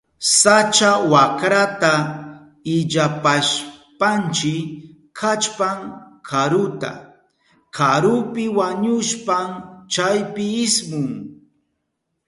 Sacha wakrata illapashpanchi kallpan karuta. Karupi wañushpan chaypi ismun.